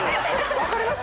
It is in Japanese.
分かります。